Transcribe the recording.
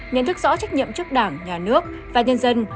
nhận thức rõ trách nhiệm trước đảng nhà nước và nhân dân